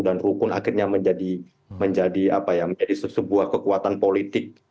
dan rukun akhirnya menjadi sebuah kekuatan politik